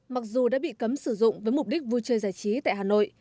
mặc dù đã bị cấm sử dụng với mục đích vui chơi giải trí tại hà nội